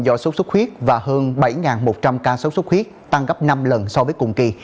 do số xuất khuyết và hơn bảy một trăm linh ca số xuất khuyết tăng gấp năm lần so với cùng kỳ